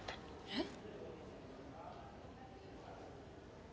えっ？